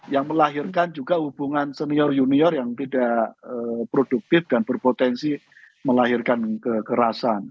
yang melahirkan juga hubungan senior junior yang tidak produktif dan berpotensi melahirkan kekerasan